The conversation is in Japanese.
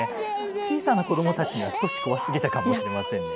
小さな子どもたちには、少し怖すぎたかもしれませんね。